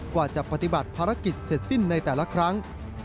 กว่าจะปฏิบัติภารกิจเสร็จสิ้นในแต่ละครั้ง